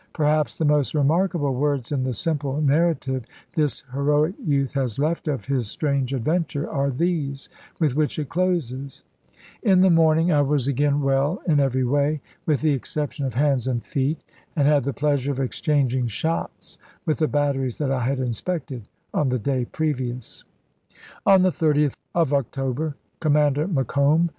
Perhaps the most remarkable words in the simple narrative this heroic youth has left of his strange adventure are these, with which it closes :" In the morning I was again well in every way, with the exception of hands and feet, and had the pleasure of exchanging shots with the batteries that I had inspected on the day previous." On the 30th of October, Commander Macomb, i8<a.